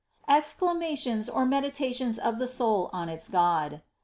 EXCLAMATIONS, OR MEDITATIONS OF THE SOUL ON ITS GOD.